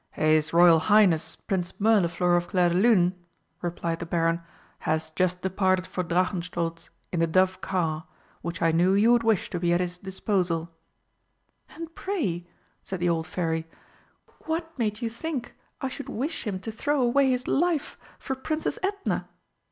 "His Royal Highness Prince Mirliflor of Clairdelune," replied the Baron, "has just departed for Drachenstolz in the dove car, which I knew you would wish to be at his disposal." "And pray," said the old Fairy, "what made you think I should wish him to throw away his life for Princess Edna?"